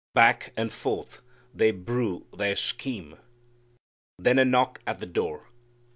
Back and forth they brew their scheme. Then a knock at the door.